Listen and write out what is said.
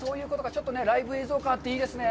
ちょっとライブ映像感があっていいですね。